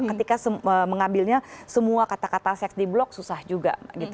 ketika mengambilnya semua kata kata seks di blok susah juga